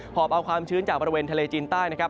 อบเอาความชื้นจากบริเวณทะเลจีนใต้นะครับ